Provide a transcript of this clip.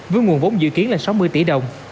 với nguồn vốn dự kiến là sáu mươi tỷ đồng